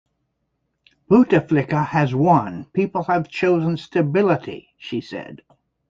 "Bouteflika has won, people have chosen stability," she said.